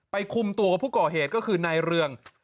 ไปคุมตัวกับผู้ก่อเหตุก็คือในเรือง